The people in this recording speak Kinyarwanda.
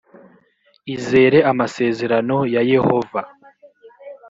izere amasezerano ya yehova